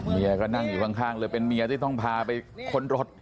เมียก็นั่งอยู่ข้างเลยเป็นเมียที่ต้องพาไปค้นรถ